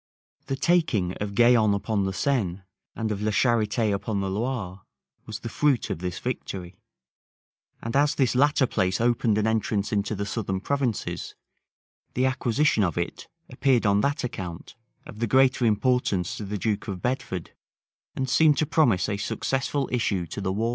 [*] The taking of Gaillon upon the Seine, and of La Charité upon the Loire, was the fruit of this victory: and as this latter place opened an entrance into the southern provinces, the acquisition of it appeared on that account of the greater importance to the duke of Bedford, and seemed to promise a successful issue to the war.